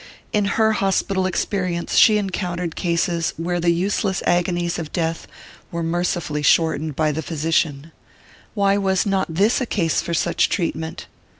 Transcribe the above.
In her hospital experience she had encountered cases where the useless agonies of death were mercifully shortened by the physician; why was not this a case for such treatment?